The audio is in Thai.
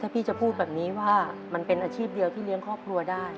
พี่จะพูดแบบนี้ว่ามันเป็นอาชีพเดียวที่เลี้ยงครอบครัวได้